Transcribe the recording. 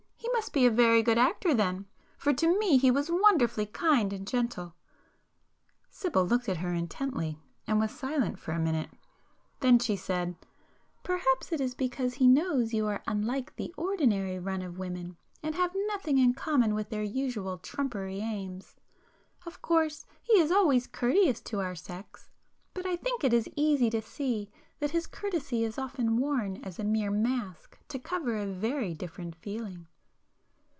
He must be a very good actor then,—for to me he was wonderfully kind and gentle." Sibyl looked at her intently, and was silent for a minute. Then she said— "Perhaps it is because he knows you are unlike the ordinary [p 320] run of women and have nothing in common with their usual trumpery aims. Of course he is always courteous to our sex,—but I think it is easy to see that his courtesy is often worn as a mere mask to cover a very different feeling."